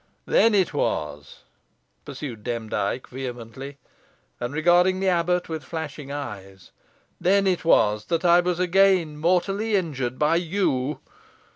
Then it was," pursued Demdike, vehemently, and regarding the abbot with flashing eyes "then it was that I was again mortally injured by you.